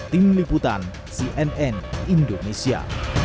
tim liputan cnn indonesia